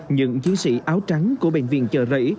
những chiến sĩ áo trắng của bệnh viện chợ rẫy